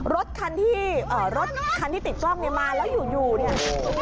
รถคันที่รถคันที่ติดกล้องเนี่ยมาแล้วอยู่เนี่ย